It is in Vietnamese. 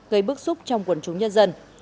gây bức xúc trong quần chúng nhân dân